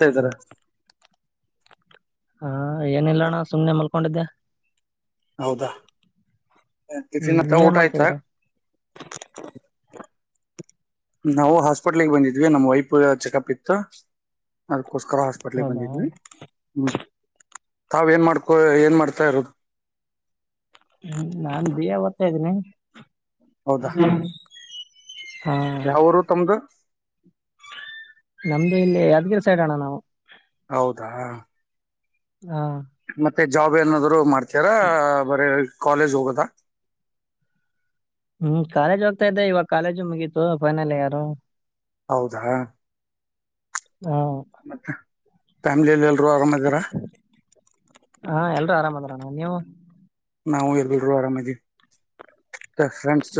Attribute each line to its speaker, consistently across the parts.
Speaker 1: ಹೇಳ್ತರ
Speaker 2: ಹಾ ಏನಿಲ್ಲಣ್ಣ ಸುಮ್ನೆ ಮಲ್ಕೊಂಡಿದ್ದೆ
Speaker 1: ಹೌದಾ
Speaker 2: ಹ್ಮ್
Speaker 1: ಟಫನ್ತ್ತ
Speaker 2: ನೀವೇನ್
Speaker 1: ಊಟಯತ
Speaker 2: ಮಾಡ್ತಿದ್ರಿ
Speaker 1: ನಾವು ಹಾಸ್ಪಿಟಲ್ ಬಂದಿದ್ವಿ ನಮ್ಮ್ ವೈಪ್ ಚೆಕ್ಪ್ ಇತ್ತು ಕೋಸ್ಕರ ಹಾಸ್ಪಿಟ್ಲ್ಗೆ
Speaker 2: ಹೌದಾ
Speaker 1: ಬಂದಿದ್ವಿ ಹೂ ತಾವ್ ಏನ್ ಮಾಡ್ಕೊ ಏನ್ ಮಾಡ್ತಾ ಇರೋದು
Speaker 2: ಹೂ ನಾನ್ ಬಿ ಎ ಓಡ್ತಾ ಇದ್ದೀನಿ ಹಾ
Speaker 1: ಯಾವ ಊರು ತಮ್ಮದು
Speaker 2: ನಮ್ದು ಇಲ್ಲಿ ಯಾದಗಿರಿ ಸೈಡ್ ಅಣ್ಣ ನಾವು
Speaker 1: ಹೌದಾ
Speaker 2: ಹಾ
Speaker 1: ಮತ್ತ ಜಾಬ್ ಏನಾದ್ರು ಮಾಡ್ತೀರ ಬಾರಿ ಕಾಲೇಜ್ ಹೋಗದ
Speaker 2: ಹೂ ಕಾಲೇಜ್ ಹೋಗ್ತಾ ಇದ್ದ ಇವಾಗ ಕಾಲೇಜು ಮುಗೀತು ಫೈನಲ್ ಇಯರ್
Speaker 1: ಹೌದಾ
Speaker 2: ಹೂ
Speaker 1: ಫ್ಯಾಮಿಲಿ ಎಲ್ಲಾ
Speaker 2: ಹಾ ಎಲ್ರುೂ ಆರಾಮದಾರಣ ನೀವು
Speaker 1: ನಾವು ಎಲ್ಲರೂ ಆರಾಮ್ ಇದೀವಿ ಫ್ರೆಂಡ್ಸ್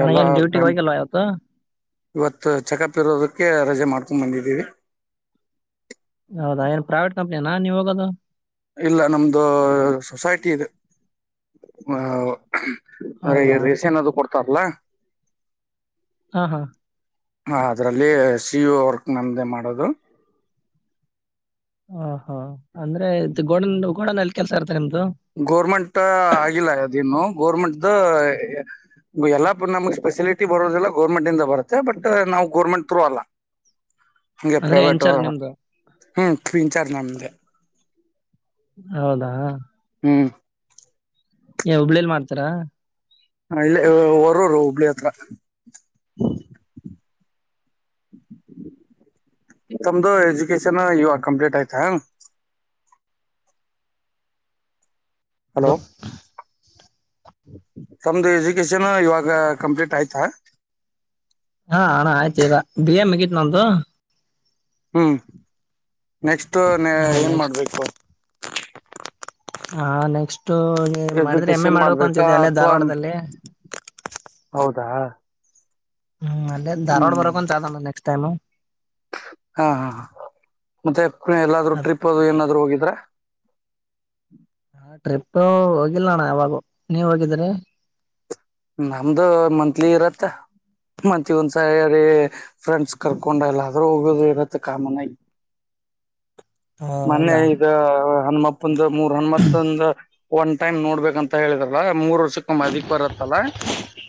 Speaker 2: ಅಣ್ಣ
Speaker 1: ಎಲ್ಲ
Speaker 2: ಏನ್ ಡ್ಯೂಟಿಗೆ ಹೋಗಿಲ್ವಾ ಇವತ್ತು
Speaker 1: ಇವತ್ತು ಚೆಕಪ್ ಇರೋದಕ್ಕೆ ರಜೆ ಮಾಡ್ಕೊಂಡು ಬಂದಿದ್ದೀವಿ
Speaker 2: ಹೌದಾ ಏನ್ ಪ್ರೈವೇಟ್ ಕಂಪ್ನಿಯನಾ ನೀವ್ ಹೋಗೋದು
Speaker 1: ಇಲ್ಲ ನಮ್ದು ಸೊಸೈಟಿ ಇದೆ ಆ ಅ್ರೆ
Speaker 2: ಹೌದಾ
Speaker 1: ರೇಷ ಏನಾದೂ ಕೊಡ್ತಾರಲ್ಲ
Speaker 2: ಹಾ ಹಾ
Speaker 1: ಹ ಅದ್ರಲ್ಲಿ ಸಿ ಯು ವರ್ಕ್ ನಮ್ದೇ ಮಾಡೋದು
Speaker 2: ಹ ಹ ಅಂದ್ರೆ ಇ ಗೋಡ ಗೋಡನ ಅಲ್ಲಿ ಕೆಲಸ ಇರ್ತದೆ
Speaker 1: ಗೋರ್ಮೆಂಟ್ ಆಗಿಲ್ಲ ಅದೇನು ಗೋರ್ಮೆಂಟ್್ದ ಎಲ್ಲಾ ನಮಗೆ ಸ್ಫೆಸಿಲಿಟಿ ಬರೋದಲ್ಲ ಗೌರ್ಮೆಂಟ್ಂದ ಬರುತ್ತೆ ಬಟ್ ನಾವು ಗೌರ್ಮೆಂಟ್ ಟ್ರು ಅಲ್ಲ ಹಗೆ
Speaker 2: ಅಂದ್ರೆ
Speaker 1: ಪ್ರೈವೇಟ್
Speaker 2: ಇನ್ಚಾರ್ಜ್ ನಿಮ್ದು
Speaker 1: ಹ್ಮ್ ಫೀನ್ಚಾರ್ಜ್ ನಮ್ದಗೆ
Speaker 2: ಹೌದಾ
Speaker 1: ಹ್ಮ್
Speaker 2: ಏ ಹುಬ್ಬಳ್ಳಿಯಲ್ಲಿ ಮಾಡ್ತಾರಾ
Speaker 1: ಹ ಇಲ್ಲ ಹೊರೂರು ಹುಬ್ಬಳ್ಳಿ ಹತ್ರ ತಮ್ದು ಎಜುಕೇಶನ್ ಇವಾಗ ಕಂಪ್ಲೀಟ್ ಆಯ್ತಾ ಹಲೋ ತಮ್ದು ಎಜುಕೇಶನ್ ಇವಾಗ ಕಂಪ್ಲೀಟ್ ಆಯ್ತಾ
Speaker 2: ಹಾ ಅಣ್ಣ ಆಯ್ತು ಈಗ ಬಿಎ ಮಗಿತು ನಂದುು
Speaker 1: ಹ್ಮ್ ನೆಕ್ಸ್ಟ್ ಏನ್ ಮಾಡ್ಬೇಕು
Speaker 2: ಹಾ ನೆಕ್ಸ್ಟ್ ಅು ಮಾಡಿದ್ರೆ ಮ್ ಎ
Speaker 1: ಎಜುಕೇಶನ್
Speaker 2: ಮಾಡ್ಬೇಕು
Speaker 1: ಮಾಡ್ಬೇಕಾ
Speaker 2: ಅಂತಿದ ಅಲ್ಲೇ
Speaker 1: ಅಥವಾ
Speaker 2: ಧಾರವಾಡದಲ್ಲಿ
Speaker 1: ಹಾ
Speaker 2: ಹ್ಮ್ ಅಲ್ಲೇ ಧಾರ್ವಾಡ ಬರೋಕಂತ ಚ [unintelligible] ಲ್ಲ ನೆಕ್ಸ್ಟ್ ಟೈಮ್
Speaker 1: ಹಾ ಹಾ ಮತ್ತೆ ಎಲ್ಲಾದ್ರೂ ಟ್ರಿಪ್ ಅದು ಏನಾದ್ರು ಹೋಗಿದ್ರೆ
Speaker 2: ಹಾ ಟ್ರಿಪಹೋಗಿಲ್ಲಣ ಯಾವಾಗ ನೀವ್ ಹೋಗಿದ್ರಿ
Speaker 1: ನಮ್ದು ಮಂತ್ಲಿ ಇರತ್ತ ಮತ್ ಒಂದ್ಸಾರಿ ಫ್ರೆಂಡ್ಸ್ ಕರ್ಕೊಂಡಲ್ಲ ಆದ್ರೂ ಹೋಗೋದು ಇರತ್ತೆ ಕಾಮನ್ ಆಗಿ
Speaker 2: ಹ
Speaker 1: ಮೊನ್ನೆ
Speaker 2: ಹೌದಾ
Speaker 1: ಈಗ ಹಣಮಪ್ಪಂದ ಮೂರ್ ಹಣ್ಮತ್ತಂದ ಒನ್ ಟೈಮ್ ನೋಡ್ಬೇಕಕ್ ಅಂತ ಹೇಳಿದ್ರಲ್ಲ ಮೂರ್ ವರ್ಷ ಅದಕ್ ಬ ಲ್ಲ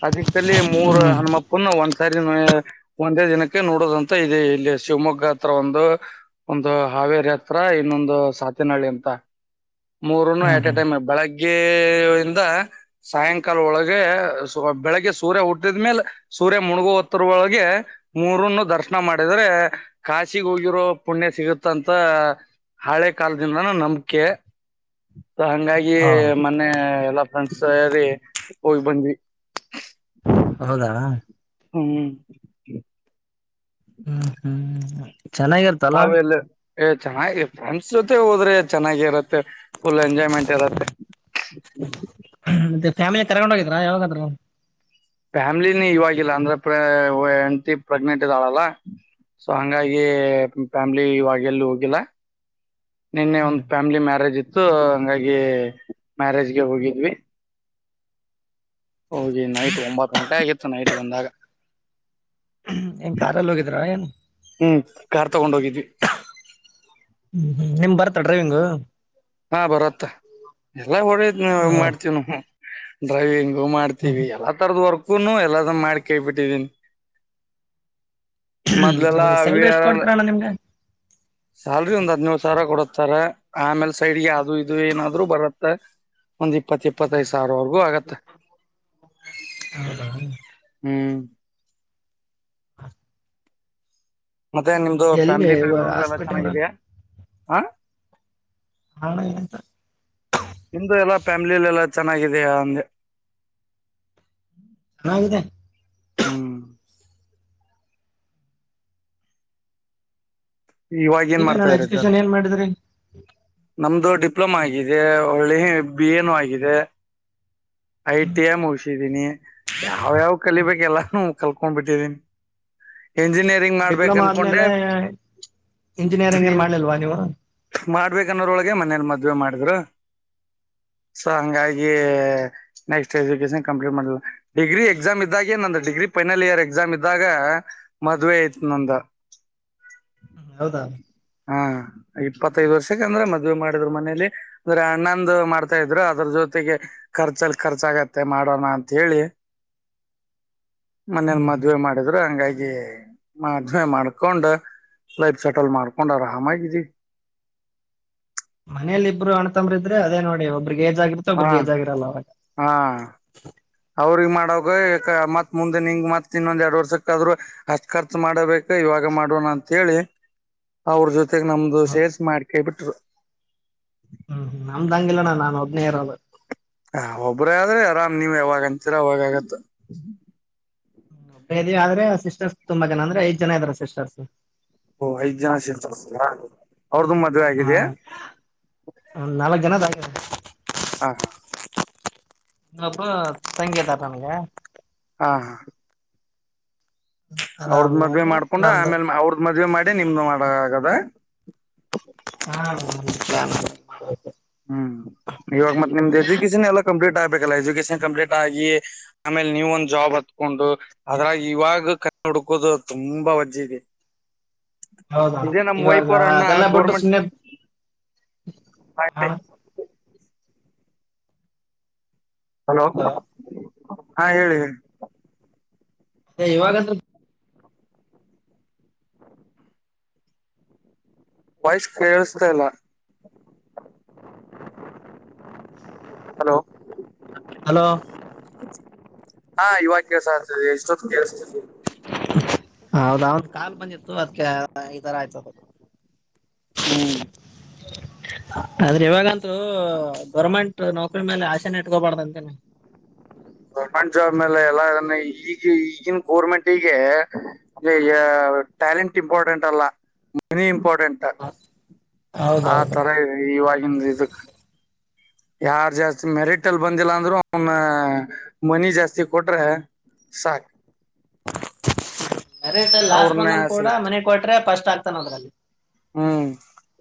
Speaker 1: ಅದಕ್ಕಲ್ಲಿ ಮೂರ್
Speaker 2: ಹ್ಮ್
Speaker 1: ಹನುಮಪ್ಪನ ಒ ಸರಿ ಒಂದೇ ದಿನಕ್ಕೆ ನೋಡೋದಂತ ಇದೆ ಇಲ್ಲಿ ಶಿವಮೊಗ್ಗ ಹತ್ರ ಒಂದು ಒಂದು ಕಾವೇರಿ ಹತ್ರ ಇನ್ನೊಂದು ಸಾತಿನಹಳ್ಳಿ ಅಂತ ಮೂರನ್ನು
Speaker 2: ಹ್ಮ್
Speaker 1: ಆಟ್ ಎ
Speaker 2: ಹ್ಮ್
Speaker 1: ಟೈಮ್ ಬೆಳಗ್ಗೆ ಇಿಂದ ಸಾಯಂಕಾಲ ಒಳಗೆ ಬೆಳಿಗ್ಗೆ ಸೂರ್ಯ ಹುಟ್ಟಿದ್ಮೇಲೆ ಸೂರ್ಯ ಮುಣುಗು ತ್ತರೊಳಗೆ ಮೂರನ್ನು ದರ್ಶ ಪ್ರಶಣ [unintelligible] ಮಾಡಿದ್ರೆ ಕಾಶಿಿಗೆ ಹೋಗಿರೋ ಪುಣ್ಯ ಸಿಗುತ್ತಂತ ಹಳೆ ಕಾಲದಿಂದಾನು ನಂಬಿಕೆ ಸ ಹಂಗಾಗಿ
Speaker 2: ಹ
Speaker 1: ಮೊನ್ನೆ ಎಲ್ಲಾ ಫ್ರೆಂಡ್ಸ್ ಸೇರಿ ಹೋಗ್ ಬದ್ವಿ
Speaker 2: ಹೌದಾ
Speaker 1: ಹ್ಮ್
Speaker 2: ಹ್ಮ್ ಹ್ಮ್ ಹ್ಮ
Speaker 1: ನಾವೆಲ್ಲ ಚೆನ್ನಾಗಿ ಫ್ರೆಂಡ್ಸ್ ಜೊತೆ ಹೋದ್ರೆ ಚೆನ್ನಾಗಿರತ್ತೆ ಫುಲ್ ಎಂಜಾಯ್ಮೆಂಟ್ ಇರುತ್ತೆ
Speaker 2: ಮತ್ತೆ ಫ್ಯಾಮಿಲಿ ತಗೊಂಡ ಹೋಗಿದರಾ ಯಾವಾಗಾದ್ರೂ
Speaker 1: ಫ್ಯಾಮಿಲಿನ ಇವಾಗಿಲ್ಲ ಅಂದ್ರೆ ಹೆಂಡ್ತಿ ಪ್ರೆಗ್ನೆಂಟ್ ಇದ್ದಾಳಲ್ಲ ಸೊ ಹಂಗಾಗಿ ಫ್ಯಾಮ್ಲಿ ಇವಾಗೆಲ್ಲ ಹೋಗಿಲ್ಲ ನಿನ್ನೆ ಒಂದ್ ಫ್ಯಾಮಿಲಿ ಮ್ಯಾರೇಜ್ ಇತ್ತು ಹಂಗಾಗಿ ಮ್ಯಾರೇಜ್ಗೆ ಹೋಗಿದ್ವಿ ಹೋಗಿ ನೈಟ್ ಒಂಬತ್ತು ಗಂಟೆ ಆಗಿತ್ತು ನೈಟ್ ಬಂದಾಗ
Speaker 2: ಏನ್ ಕಾರಲ್ಲಿ ಹೋಗಿದ್ರ ಏನ್
Speaker 1: ಹ್ಮ್ ಕಾರ್ ತಗೊಂಡ್ ಹೋಗಿದ್ವಿ
Speaker 2: ಹ್ಮ ಹ್ಮ್ ನಿಮ್ ಬರ್ತಾ ಡ್ರೈವಿಂಗ್
Speaker 1: ಹಾ ಬರತ್ತ ಎಲ್ಲ ಹೊ
Speaker 2: ಹ
Speaker 1: ಮಾಡ್ತವ್ ನ ಡ್ರೈವಿಂಗ್ ಹೋ ಮಾಡ್ತೀವಿ ಎಲ್ಲಾ ತರದ ವರ್ಕುನು ಎಲ್ಲದ ಮಾಡ್ ಕೇಬಿಟ್ಟಿದೀನಿ ಮದಲೆಲ್ಲ
Speaker 2: ಹೌದು
Speaker 1: ವಿ
Speaker 2: ಸ್ಯಾಲ್ರಿ ಎಷ್ಟ್
Speaker 1: ಆರ್ ಎಲ್
Speaker 2: ಕೊಡ್ತೀರಣ್ಣ ನಿಮ್ಗೆ
Speaker 1: ಸ್ಯಾಲ್ರಿ ಒಂದ ಹಾಧ್ಯೋಳು ಸಾವಿರ ಕೊಡತ್ತಾರ ಆಮೇಲ್ ಸೈಡ್ಗೆ ಯಾವ್ದದು ಇದು ಏನಾದ್ರು ಬರತ್ತ ಒಂದ್ ಇಪ್ಪತ್ತ ಇಪ್ಪತ್ತೈದು ಸಾವಿರವರ್ಗೂ ಆಗತ್ತೆ
Speaker 2: ಹ [unintelligible]
Speaker 1: ಮತ್ತೆ ನಿಮ್ದು
Speaker 2: ಎಲ್ಲಿ
Speaker 1: ಫ್ಯಾಮಿಲಿ ಬ್ಯಾಕ್ ಗ್ರೌಂಡ್ ಎಲ್ಲ
Speaker 2: ಹಾಸ್ಪಿಟಲ್
Speaker 1: ಚೆನ್ನಾಗಿದಾ ಹ [inaudible]
Speaker 2: ಹಣ ಏನಂತ
Speaker 1: ನಿಮ್ದು ಎಲ್ಲಾ ಫ್ಯಾಮಿಲಿಲ್ಲಿ ಎಲ್ಲ ಚೆನ್ನಾಗಿದೆಯ ಅಂದೆ [inaudible]
Speaker 2: ಚನ್ನಾಗಿದೆ
Speaker 1: ಹ್ಮ್ ಇವಾಗ ಏನ್
Speaker 2: ಈಗ
Speaker 1: ಮಾಡ್ತಾ
Speaker 2: ನಾನ್
Speaker 1: ಇರಿ ಸರ್
Speaker 2: ಎಜುಕೇಶನ್ ಏನ್ ಮಾಡಿದ್ರಿ
Speaker 1: ನಮ್ದು ಡಿಪ್ಲೊಮಾ ಆಗಿದೆ ಒಳ್ಳೆ ಬಿ ಎನುೂ ಆಗಿದೆ ಐ ಟಿ ಎ್ ಮುಗಸಿದೀನಿ ಯಾವ್ಯಾವ್ ಕಲಿಬೇಕ ಎಲ್ಲಾನು ಕಲ್ಕೊಂಡ್ ಬಿಟ್ಟಿದ್ದೀನಿ ಎಂಜಿನಿಯರಿಂಗ್ ಮಾಡ್ಬೇಕ
Speaker 2: ಡಿಪ್ಲೊಮಾ
Speaker 1: ಅನ್ಕೊಂಡೆ
Speaker 2: ಆದ್ಮೇಲೆ ಇಂಜಿನಿಯರಿಂಗ್ ಏನ್ ಮಾಡ್ಲಿಲ್ವಾ ನೀವು ಹ್ಮ್,
Speaker 1: [inaudible] ಮಾಡ್ಬೇಕನ್ನೋರೊಳಗೆ ಮನೇಲಿ ಮದುವವೆ ಮಾಡಿದ್ರು ಸೊ ಹಂಗಾಗಿ ನೆಕ್ಸ್ಟ್ ಎಜುಕೇಶನ್ ಕಂಪ್ಲೀಟ್ ಮಾಡ್ಲ ಡಿಗ್ರಿ ಎಕ್ಸಾಮ್ ಇದ್ದಾಗೆಏ ನಂದು ಡಿಗ್ರಿಫೈನಲ್ ಇಯರ್ ಎಕ್ಸಾಮ್ ಇದ್ದಾಗ ಮದುವೆ ಆಯತು ನಂದ
Speaker 2: ಹ್ಮ್ ಹೌದಾ
Speaker 1: ಹಾ ಇಪ್ಪತ್ತೈದ್ ವರ್ಷಕ್ಕೆ ಅಂದ್ರೆ ಮದ್ಮಾಡಿದ್ರು ಮನೇಲಿ ಅಂದ್ರೆ ಅಣ್ಣಂದು ಮಾಡ್ತಾ ಇದ್ರು ಅದ್ರ ಜೊತೆಗೆ ಖರ್ಚಲ್ ಖರ್ಚಾಗತ್ತೆ ಮಾಡೋಣ ಅಂತ ಹೇಳಿ ಮನೇಲಿ
Speaker 2: ಹ್ಮ್.
Speaker 1: ಮದ್ವವೆ ಮಾಡಿದ್ರು ಹಂಗಾಗಿ ಮದ್ವೆ ಮಾಡ್ಕೊಂಡ ಲೈಫ್ ಸೆಟಲ್ ಮಾಡ್ಕೊಂಡರಾಮಗಿದ್ದಿ [inaudible]
Speaker 2: ಮನೇಲಿ ಇಬ್ಬರು ಅಣ್ತಂಬ್ರಿದ್ರೆ ಅದೇ ನೋಡಿ ಒಬ್ ಒಬ್ರೆಗೆ ಹೆಜಗುಟ್ಟ
Speaker 1: ಹಾ
Speaker 2: ಒಬ್ಬರಿಗೆ ಹೆಜ್ ಆಗಿರಲ್ಲ [inaudible]
Speaker 1: ಹಾ ಅವ್ರಿಗೆ ಮತ್ ಮುಂದೆ ನಿಂಗ್ ಮತ್ ಇನ್ನೊಂದ್ ಎರಡ್ ವರ್ಷಕ್ಕ ಆದ್ರು ಅಷ್ಟ್ ಖರ್ಚ ಮಾಡಬೇಕು ಇವಾಗ ಮಾಡುವ ಅಂತೇಳಿ ಅವ್ರ ಜೊತೆಗ್ ನಮ್ದು
Speaker 2: ಹೌ-
Speaker 1: ಸೇರ್ಸ್ ಮಾಡ್ಕ ಬಿಟ್ರು
Speaker 2: ಹ್ಮ್ ನಮ್ದ ಅಂಗಿಲಣ್ಣ ನಾನು ಒಬ್ನೇ ಇರೋದು
Speaker 1: ಹ ಒಬ್ರ ಆದ್ರೆ ಆರಾಮ್ ನೀವ್ ಯಾವಾಗ ಅಂತೀರ ಅವಾಗಗತ್ತ
Speaker 2: ಆದ್ರೆ ಸಿಸ್ಟರ್ಸ್ ತುಂಬಾ ಜನ ಅಂದ್ರೆ ಐದ್ ಜನ ಇದಾರ ಸಿಸ್ಟರ್ಸ್
Speaker 1: ಐದು ಜನ ಸಿಸ್ಟರ್
Speaker 2: ಹಾ ಒಂದು ನಾಲ್ಕ್ ಜನದ
Speaker 1: ಹಾ ಹಾ
Speaker 2: ನನಗೊಬ್ಬ ತಂಗಿ ಇದ್ದಾಳೆ ನನಗೆ
Speaker 1: ಹಾ ಹಾ ಅವ್ರದ ಮದ್ವೆ
Speaker 2: ಅದಾದ್ಮೇಲೆ
Speaker 1: ಮಾಡ್ಕೊಂಡ
Speaker 2: ನಮ್ದು
Speaker 1: ಆಮೇಲ್ ಅವ್ರದ ಮದ್ವೆ ಮಾಡಿ ನಿಮ್ದು ಮಾಡ ಆಗದ
Speaker 2: ಹಾ
Speaker 1: ಹ್ಮ್ ಇವಾಗ ಮತ್ತತ್ ನಿಮ್ದ್ ಎಜುಕೇೇಶನ್ ಎಲ್ಲ ಕಂಪ್ಲೀಟ್ ಆಗ್ಬೇಕಲ್ಲ ಎಜುಕೇಷನ್ ಕಂಪ್ಲೀಟ್ ಆಗಿ ಆಮೇಲೆ ನೀವು ಒಂದ್ ಜಾಬ್ ಹ ಹಕೊಂಡು ಅದ್ರಾಗ ಇವಾಗ ಕೈ ಹುಡುಕೋದು ತುಂಬಾ ವಜ್ಜದೆ
Speaker 2: ಹೌದಣ ಇವಾಗ ಅದೆಲ್ಲ ಬಿಟ್ಟು
Speaker 1: ಗೋರ್ಮೆಂಟ್
Speaker 2: ಸುಮ್ಮನೆದ ಹಣ
Speaker 1: ಹಲೋ ಹಾ ಹೇಳಿ ಹೇಳಿ
Speaker 2: ಇವಾಗ
Speaker 1: ವಯಸ್ ಕೇಳಸ್ದಲ್ಲ ಹಲೋ
Speaker 2: ಹಲೋ
Speaker 1: ಹಾ ಇವಾಗ ಕೆಲ್ಸ ಆಗ್ತದೆ ಎಷ್ಟೊತ್ತು ಕೆಸತ
Speaker 2: ಹ ಹೌದ ಅವ ಕಾಲ್ ಬಂದಿತ್ತು ಅದ್ಕ್ಕೆ ಈ ತರ ಆಯ್ತದು
Speaker 1: ಹ್ಮ್
Speaker 2: ಆದ್ರೆ ಇವಾಗಂತೂ ಗೌರ್ಮೆಂಟ್ ನೌಕರಿ ಮೇಲೆ ಆಸೆನ ಇಟ್ಕೋಬಾರ್ದಂತನೆ
Speaker 1: ಗೌರ್ಮೆಂಟ್ ಜಾಬ್ ಮೇಲೆ ಎಲ್ಲ ಈಗ ಈಗಿನ ಗೋರ್ಮೆಂಟಗೆ ಟ್ಯಾಲೆಂಟ್ ಇಂಪಾರ್ಟೆಂಟ್ ಅಲ್ಲ ಮನಿ ಇಂಪಾರ್ಟೆಂಟ್. ಆ
Speaker 2: ಹೌದೌದು
Speaker 1: ತರ ಇದೆ ಇವಾಗಿವಾಗಿಂದ ಇದಕ್ಕೂ. ಯಾರ್ ಜಾಸ್ತಿ ಮೆರಿಟ್ ಅಲ್ಲಿ ಬಂದಿಲ್ಲ ಅಂದ್ರರು ಅವನ ಮನಿ ಜಾಸ್ತಿ ಕೊಟ್ರೆ ಸಾಕ.
Speaker 2: ಮೆರಿಟಲ್ಲಿ ಲಾಸ್ಟ್
Speaker 1: ಅವ್ರನ್ನ
Speaker 2: ಬಂದನ್ ಕೂಡ
Speaker 1: ಸೆಲೆಕ್ಟ್
Speaker 2: ಮನೆ ಕೊಟ್ರೆ ಫಸ್ಟ್ ಆಗ್ತಾನ ಅದ್ರಲ್ಲಿ
Speaker 1: ಹ್ಮ್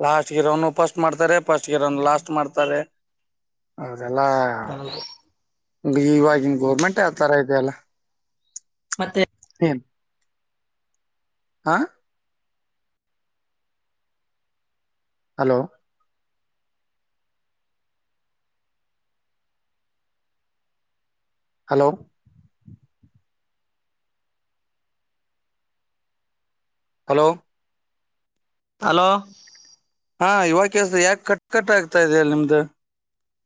Speaker 1: ಲಾಸ್ಟ್ ಗರ್ ಅವನು ಫಸ್ಟ್ ಮಾಡ್ತಾರೆ ಫಸ್ಟ್ ಗರ್ ಅವನು ಲಾಸ್ಟ್ ಮಾಡ್ತಾರೆ. ಹೌ ಅದೆಲ್ಲಾ ಇವಾಗಿನ್ ಗೋರ್ಮೆಂಟ್ ಆತರ ಇದಿಯಲ್ಲ.
Speaker 2: ಮತ್ತೆ
Speaker 1: ಹಾ. ಹಲೋ. ಹಲೋ ಹಲೋ
Speaker 2: ಹಲೋ
Speaker 1: ಹಾ ಇವಾಗಸ ಯಾಕೆ ಕಟ್ ಕಟ್ ಆಗ್ತಾ ಇ ಅಲ್ಲಿ ನಿಮ್ದು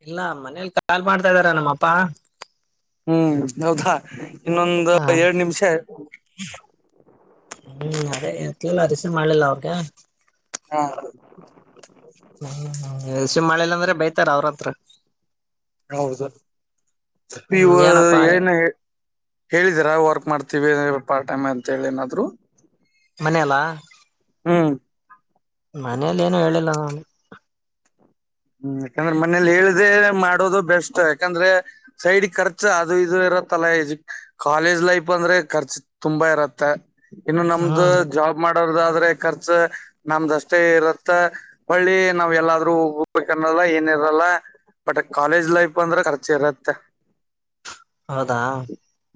Speaker 2: ಇಲ್ಲ ಮನೇಲಿ ಕಾಲ್ ಮಾಡ್ತಾ ಇದ್ದಾರ ನಮ್ಮ ಅಪ್ಪಾ.
Speaker 1: ಹ್ಮ್ ಹೌದಾ ಇನ್ನೊಂದ
Speaker 2: ಹಾ
Speaker 1: ಎರಡು ನಿಮಿಷ.
Speaker 2: ಹ್ಮ್ ಅದೇ ಎತ್ಲಿಲ್ಲ ರಿಸೀವ್ ಮಾಡ್ಲಿಲ್ಲ ಅವ್ರಗ
Speaker 1: ಹಾ.
Speaker 2: ಹೂ ರಿಸೀವ್ಮ್ ಮಾಡಿಲ್ಲಾ ಅಂದ್ರೆ ಬೈತಾರ ಅವ್ರತ್ರ
Speaker 1: ಹೌದ
Speaker 2: ಹ್ಮ್
Speaker 1: ಇವು
Speaker 2: ಏನಪ್ಪಾ
Speaker 1: ಏನು ಹೇಳಿದೀರಾ ವರ್ಕ್ ಮಾಡ್ತೀವಿ ಪಾರ್ಟ್ ಟೈಮ್ ಅಂತ ಹೇಳಿ ಏನಾದ್ರು.
Speaker 2: ಮನೆಲ.
Speaker 1: ಹ್ಮ
Speaker 2: ಮನೇಲಿ ಏನು ಹೇಳಿಲ್ಲ ನಾನು
Speaker 1: ಹ್ಮ್ ಯಾಕಂದ್ರೆ ಮನೇಲಿ ಹೇಳ್ದೇ ಮಾಡೋದು ಬೆಸ್ಟ್ ಯಾಕಂದ್ರೆ ಸೈಡ್ ಖರ್ಚ ಅದು ಇ ಇತ್ತಲ್ಲ ಇದ ಕಾಲೇಜ್ ಲೈಫ್ ಅಂದ್ರೆ ಖರ್ಚು ತುಂಬಾ ಇರತ್. ಇನ್ನು ನಮ್ದು
Speaker 2: ಹ್ಮ್
Speaker 1: ಜಾಬ್ ಮಾಡ ಮಾಡ ಆದ್ರೆ ಖರ್ಚ ನಮ್ದಷ್ಟೇ ಇರುತ್ತ ಒಳ್ಳಿ ನಾವ್ ಎಲ್ಲಾದ್ರೂ. ನ್ನಲ್ಲ ಏನಿರಲ್ಲ ಬಟ್ ಕಾಲೇಜ್ ಲೈಫ್ ಅಂದ್ರೆ ಖರ್ಚ ಇರತ್ತೆ
Speaker 2: ಹೌದಾ.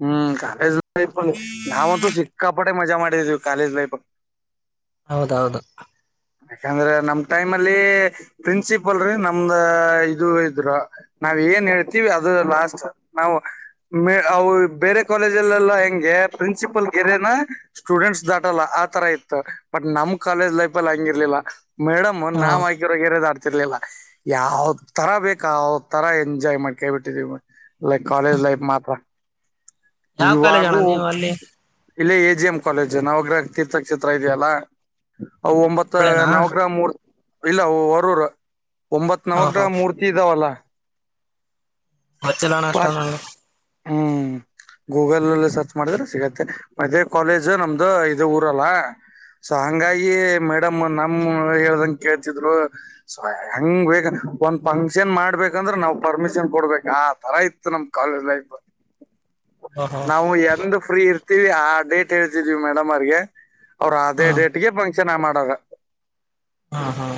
Speaker 1: ಹ್ಮ್ ಕಾಲೇಜ್ ಲೈಫಲ್ಲಿ ನಾವಂತೂ ಸಿಕ್ಕಾಪಟ್ಟೆ ಮಜಾ ಮಾಡಿದೀವಿ ಕಾಲೇಜ್ ಲೈಫ
Speaker 2: ಹೌದೌದು.
Speaker 1: ಯಾಕಂದ್ರೆ ನಮ್ ಟೈಮ್ ಅಲ್ಲಿ ಪ್ರಿನ್ಸಿ ಬಲ್ರಿ ನಮ್ದ ಇದು ಇದ್ರು ನಾವ್ ಏನ್ ಹೇಳ್ತಿೀವಿ ಅದು ಲಾಸ್ಟ್ ನಾವು ಮ ಅವು ಬೇರೆ ಕಾಲೇಜಲ್ಲೆಲ್ಲ ಹೆಂಗೆ ಪ್ರಿನ್ಸಿಪಲ್ ಗೆರೆೇನಾ ಸ್ಟೂಡೆಂಟ್ಸ್ ದಾಟಲ್ಲ. ತರ ಇತ್ತು ಬಟ್ ನಮ್ ಕಾಲೇಜ್ ಲೈಫ್ ಅಲ್ಲಿ ಹಂಗಿರ್ಲಿಲ್ಲ ಮೇಡಮ್
Speaker 2: ಹ
Speaker 1: ನಾವ್ ಆಗಿರ ಗೆರೆ ರ್ಲಿಲ್ಲ ಯಾವ್ ತರ ಬೇಕ ಯಾವ ತರ ಎಂಜಾಯ್ ಮಾಡ್ಕೇಬಿಟ್ಟಿದೀವಿ ಲೈಕ್ ಕಾಲೇಜ್ ಲೈಫ್ ಮಾತ್ರ.
Speaker 2: ಯಾವ ಕಾಲೇಜ ಅಣ್ಣ
Speaker 1: ಇವಾಗೂ
Speaker 2: ನೀವು ಅಲ್ಲಿ.
Speaker 1: ಇಲ್ಲೇ ಎ ಜಿ ಎಂ ಕಾಲೇಜ್ ನವಗ್ರಹ ತೀರ್ಥ ಚಿತ್ರ ಇದೆಯಲ್ಲ. ಅವು ಒಂಬತ್ತ
Speaker 2: ಒಬ್ಬಳೇನಾ
Speaker 1: ನವಕ್ರ ಮೂರ್ ಇಲ್ಲ ಹೊರೂರು. ಒಂಬತ್
Speaker 2: ಹ ಹ
Speaker 1: ನವಗ್ರಹ ಮೂರ್ತಿ ಇದಾವಲ್ಲ.
Speaker 2: ಗೊತ್ತಿಲ್ಲದ ಅಷ್ಟೊಂದು
Speaker 1: ಪಾರ್ಕ್
Speaker 2: ನನಗ.
Speaker 1: ಹ್ಮ್. ಗೂಗಲ್ಲ್ಲಿ ಸರ್ಚ್ ಮಾಡಿದ್ರೆ ಸಿಗತ್ತೆ ಇದೇ ಕಾಲೇಜ್ ನಮ್ದು ಇದೇ ಊರಲ್ಲ. ಸೋ ಹಂಗಾಗಿ. ಡ ನಮ ಹೇಳಂಗ ಕೇಳ್ತಿದ್ರು ಹಂಗ ಬ ಒಂದ್ ಫಂಕ್ಷನ್ ಮಾಡ್ಬೇಕ. ಅಂದ್ರೆ ನಾವವು ಪರ್ಮಿಷನ್ ಕೊಡ್ಬೇಕ ಆ. ತರ ಇತ್ತು ನಮ್ ಕಾಲೇಜ್ ಲೈಫ್
Speaker 2: ಓಹೋ
Speaker 1: ನಾವು ಎಂದ ಫ್ರೀ ಇರ್. ಆ ಡೇಟ್ ಹೇಳ್ತಿದ್ವಿ ಮೇಡಮ್ ಅವರ್ಗೆ ಅವ್ರ ಅದೇ
Speaker 2: ಹ್ಮ್
Speaker 1: ಡೇಟ್ಗೆ ಚೆನ್ನಾಗ್ ಮಾಡಾಗ
Speaker 2: ಹಾ ಹಾ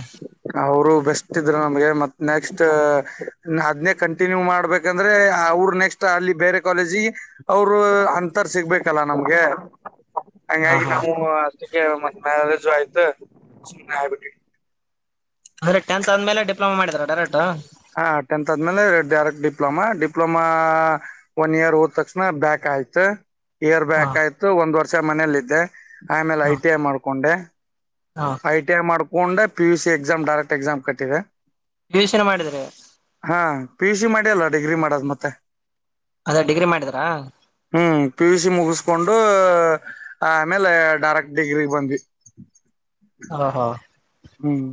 Speaker 1: ಅವರು ಬೆಸ್ಟ್ ಇದ್ರ ನಮ್ಗೆ ಮತ್ ನೆಕ್ಸ್ಟ್ ಅದ್ನೇ ಕಂಟಿನ್ಯೂ ಮಾಡ್ಬೇಕು ಯಾಕಂದ್ರೆ ಅವರು ನೆಕ್ಸ್ಟ್ ಅಲ್ಲಿ ಬೇರೆ ಕಾಲೇಜಿ ಅವರು ಅಂತರ್ ಸಿಗ್ಬೇಕಲ್ಲ ನಮ್ಗೆ
Speaker 2: ಹಾ
Speaker 1: ಹಂಗಾಗಿ
Speaker 2: ಹಾ
Speaker 1: ನಾವು ಅಷ್ಟಕ್ಕೆ ಮತ್ ಮ್ಯಾರೇಜ್ ಆಯ್ತು ಸುಮ್ನೆ ಆಗಿಬಿಟ್ವಿ
Speaker 2: ಅಂದ್ರೆ ಟೆಂತ್ ಆದ್ಮೇಲೆ ಡಿಪ್ಲೊಮಾ ಮಾಡಿದಾರ ಡೈರೆಕ್ಟ್
Speaker 1: ಹಾ ಟೆಂತ್ ಆದ್ಮೇಲೆ direct diploma diploma one year ಹೋದ ತಕ್ಷಣ ಬ್ಯಾಕ್ ಆಯ್ತ ಇಯರ್
Speaker 2: ಹಾ
Speaker 1: ಬ್ಯಾಕ್ ಆಯ್ತು ಒಂದ್ ವರ್ಷ ಮನೇಲ್ಲ ಇದ್ದೆ ಆಮೇಲೆ
Speaker 2: ಹಾ
Speaker 1: ಐ ಟಿ ಐ ಮಾಡ್ಕೊಂಡೆ
Speaker 2: ಹಾ
Speaker 1: ಐ ಟಿ ಐ ಮಾಡ್ಕೊಂಡ್ P U C exam direct exam ಕಟ್ಟಿದೆ
Speaker 2: ಪಿ ಯು ಸಿ ಮಾಡಿದ್ರೆ
Speaker 1: ಹಾ ಪಿ ಎ ಸಿ ಮಾಡಿ ಅಲ್ಲ ಡಿಗ್ರಿ ಮಾಡೋದು ಮತ್ತೆ
Speaker 2: ಅದೇ ಡಿಗ್ರಿ ಮಾಡಿದ್ರಾ
Speaker 1: ಹ್ಮ್ ಪಿ ಯು ಸಿ ಮುಗಿಸಿ ಕೊಂಡು ಆಮೇಲೆ ಡೈರೆಕ್ಟ್ ಡಿಗ್ರಿ ಬಂದ್ವಿ
Speaker 2: ಹಾ ಹಾ
Speaker 1: ಹ್ಮ್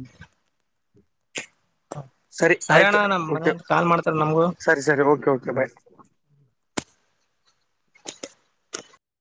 Speaker 1: ಸರಿ ಆಯ್ತು
Speaker 2: ಅಣ್ಣ ನಮ್
Speaker 1: ಓಕೆ
Speaker 2: ಮನೇಲಿ ಕಾಲ್ ಮಾಡ್ತಾರ ನಮ್ಗೂ
Speaker 1: ಸರಿ ಸರಿ ಓಕೆ ಬಾಯ್